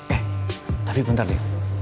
eh tapi bentar di